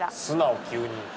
素直急に。